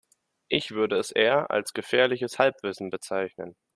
Ich würde es eher als gefährliches Halbwissen bezeichnen.